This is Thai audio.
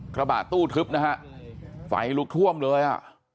กระบะตู้ทึบนะฮะไฟลุกท่วมเลยอ่ะ